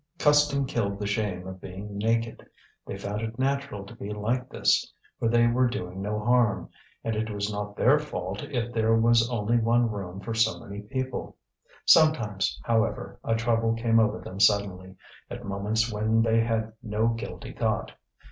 Custom killed the shame of being naked; they found it natural to be like this, for they were doing no harm, and it was not their fault if there was only one room for so many people. Sometimes, however, a trouble came over them suddenly, at moments when they had no guilty thought.